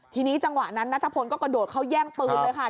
ทีนี้จังหวะนั้นนัทพลก็กระโดดเข้าแย่งปืนเลยค่ะ